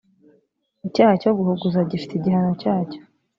icyaha cyo guhuguza gifite igihano cyacyo